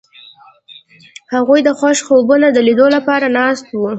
هغوی د خوښ خوبونو د لیدلو لپاره ناست هم وو.